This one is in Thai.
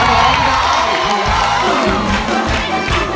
ร้องได้ให้ร้าน